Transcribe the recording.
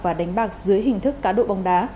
và đánh bạc dưới hình thức cá độ bóng đá